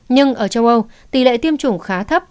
nhưng ở châu âu tỷ lệ tiêm chủng khá thấp